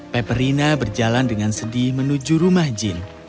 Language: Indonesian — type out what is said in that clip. peperina berjalan dengan sedih menuju rumah jin